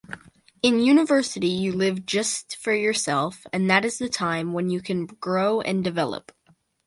In University you live just for yourself, and that is the time, when you can grow and develop.